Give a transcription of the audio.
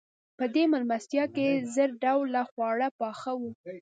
په دې مېلمستیا کې زر ډوله خواړه پاخه وو.